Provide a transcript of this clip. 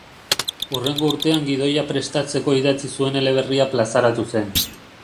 Hurrengo urtean gidoia prestatzeko idatzi zuen eleberria plazaratu zen.